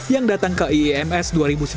yang datang ke iems dua ribu sembilan belas